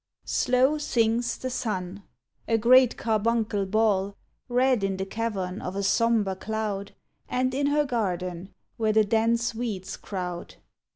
Slow sinks the sun, a great carbuncle ball Red in the cavern of a sombre cloud, And in her garden, where the dense weeds crowd.